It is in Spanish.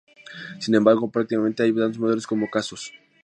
Sin embargo, prácticamente hay tantos modelos como casos.